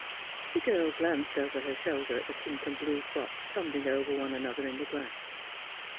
The girl glanced over her shoulder at the pink and blue frocks tumbling over one another in the grass.